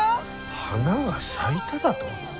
花が咲いただと？